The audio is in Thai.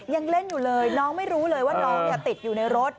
ยังเล่นอยู่เลยน้องไม่รู้เลยว่าน้องติดอยู่ในรถ